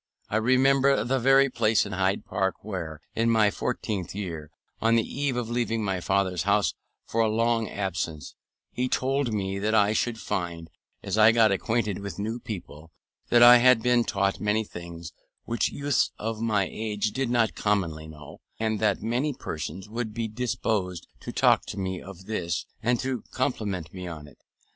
I remember the very place in Hyde Park where, in my fourteenth year, on the eve of leaving my father's house for a long absence, he told me that I should find, as I got acquainted with new people, that I had been taught many things which youths of my age did not commonly know; and that many persons would be disposed to talk to me of this, and to compliment me upon it.